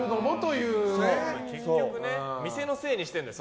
結局ね店のせいにしてるんだよ。